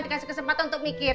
dikasih kesempatan untuk mikir